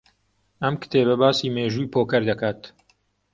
ئەم کتێبە باسی مێژووی پۆکەر دەکات.